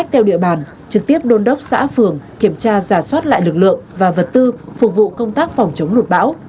trực tiếp đôn đốc xã phường kiểm tra giả soát lại lực lượng và vật tư phục vụ công tác phòng chống lụt bão